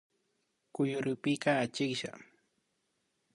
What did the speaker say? Kuyurikpika achiklla